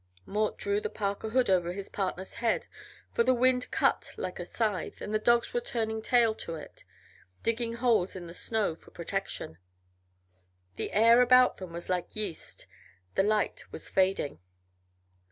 Mort drew the parka hood over his partner's head, for the wind cut like a scythe and the dogs were turning tail to it, digging holes in the snow for protection. The air about them was like yeast; the light was fading.